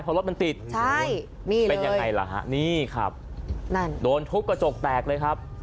เพราะรถมันติดใช่นี่เป็นยังไงล่ะฮะนี่ครับนั่นโดนทุบกระจกแตกเลยครับ